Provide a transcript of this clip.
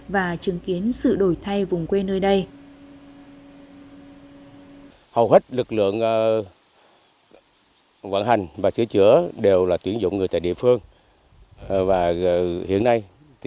và chứng kiến sự đổi thay vùng quê nơi đây